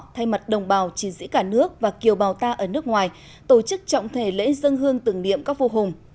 thay mặt đồng bào chiến dĩ cả nước và kiều bào ta ở nước ngoài tổ chức trọng thể lễ dân hương tưởng niệm các vô hùng